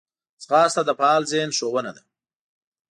ځغاسته د فعال ذهن ښوونه ده